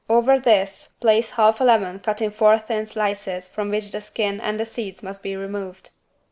Over this place half a lemon cut in four thin slices from which the skin and the seeds must be removed.